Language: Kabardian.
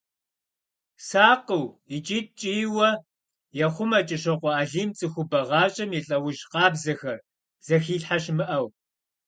Сакъыу икӀи ткӀийуэ ехъумэ КӀыщокъуэ Алим цӀыхубэ гъащӀэм и лӀэужь къабзэхэр, зыхилъхьэ щымыӀэу.